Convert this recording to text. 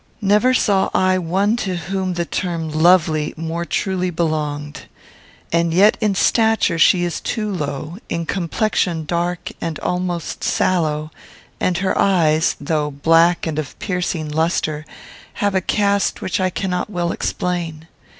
Never saw I one to whom the term lovely more truly belonged. And yet in stature she is too low; in complexion dark and almost sallow; and her eyes, though black and of piercing lustre, have a cast which I cannot well explain.